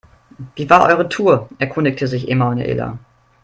Wie war eure Tour?, erkundigte sich Emanuela.